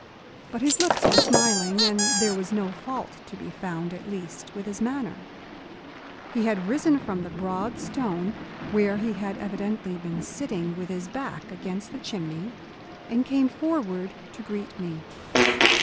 But his lips were smiling, and there was no fault to be found, at least, with his manner. He had risen from the broad stone where he had evidently been sitting with his back against the chimney, and came forward to greet me.